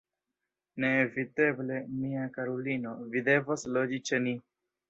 Neeviteble, mia karulino, vi devos loĝi ĉe ni.